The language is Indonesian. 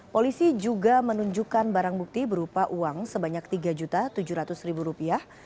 polisi juga menunjukkan barang bukti berupa uang sebanyak tiga tujuh ratus rupiah